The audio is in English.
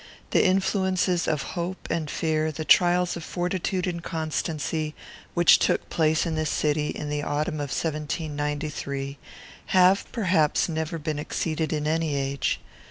The influences of hope and fear, the trials of fortitude and constancy, which took place in this city in the autumn of 1793, have, perhaps, never been exceeded in any age.